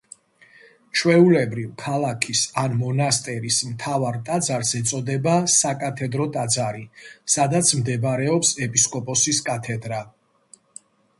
ჩვეულებრივ, ქალაქის ან მონასტერის მთავარ ტაძარს ეწოდება საკათედრო ტაძარი, სადაც მდებარეობს ეპისკოპოსის კათედრა.